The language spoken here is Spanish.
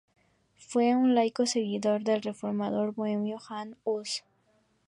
Fue un laico seguidor del reformador bohemio Jan Hus.